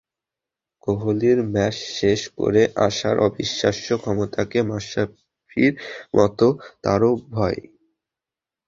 কোহলির ম্যাচ শেষ করে আসার অবিশ্বাস্য ক্ষমতাকে মাশরাফির মতো তাঁরও ভয়।